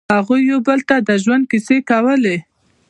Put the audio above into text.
هغوی یو بل ته د ژوند کیسې کولې.